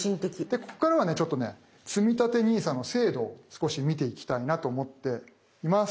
でここからはちょっとねつみたてＮＩＳＡの制度を少し見ていきたいなと思っています。